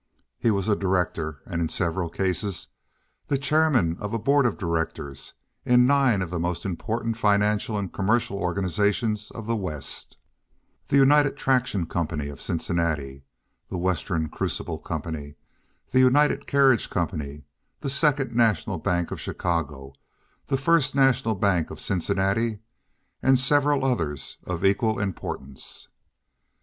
He was a director, and in several cases the chairman of a board of directors, in nine of the most important financial and commercial organizations of the West—The United Traction Company of Cincinnati, The Western Crucible Company, The United Carriage Company, The Second National Bank of Chicago, the First National Bank of Cincinnati, and several others of equal importance.